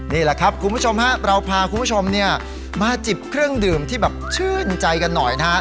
นี่แหละครับคุณผู้ชมฮะเราพาคุณผู้ชมเนี่ยมาจิบเครื่องดื่มที่แบบชื่นใจกันหน่อยนะครับ